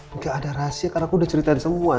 enggak ada rahasia karena aku udah ceritain semua